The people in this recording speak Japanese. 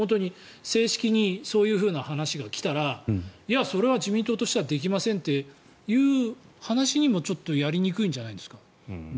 正式にそういう話が来たらそれは自民党としてはできませんという話にもちょっとやりにくいんじゃないですか？